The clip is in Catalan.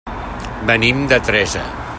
Venim de Teresa.